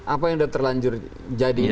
apa yang sudah terlanjur jadinya